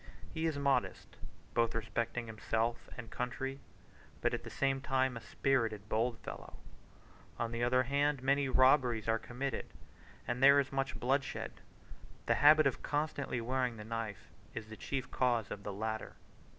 He is modest, both respecting himself and country, but at the same time a spirited, bold fellow. On the other hand, many robberies are committed, and there is much bloodshed: the habit of constantly wearing the knife is the chief cause of the latter.